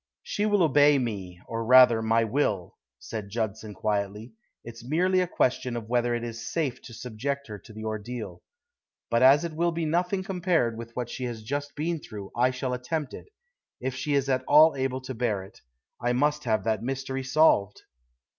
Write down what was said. "She will obey me, or rather my will," said Judson quietly. "It's merely a question of whether it is safe to subject her to the ordeal. But as it will be nothing compared with that she has just been through I shall attempt it, if she is at all able to bear it. I must have that mystery solved."